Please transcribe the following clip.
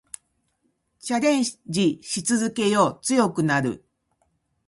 チャレンジし続けよう。強くなる。